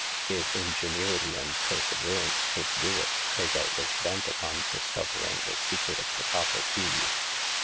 If ingenuity and perseve rance could do it, Hagar was bent upon dis covering the secret of the copper key.